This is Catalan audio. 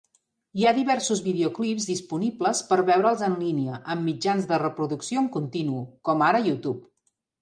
Hi ha diversos videoclips disponibles per veure'ls en línia amb mitjans de reproducció en continu, com ara YouTube.